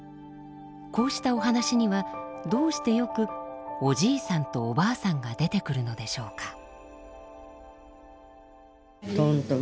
こうしたお話にはどうしてよくおじいさんとおばあさんが出てくるのでしょうか。